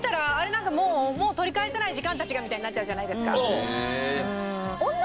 なんかもう取り返せない時間たちがみたいになっちゃうじゃないですか。